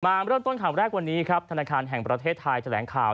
มาเริ่มต้นข่าวแรกวันนี้ครับธนาคารแห่งประเทศไทยแถลงข่าว